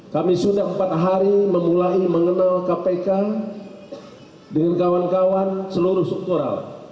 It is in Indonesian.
kami sudah empat hari memulai mengenal kpk dengan kawan kawan seluruh struktural